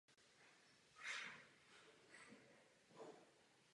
Média se ovšem nadále velmi zajímala o okolnosti její smrti.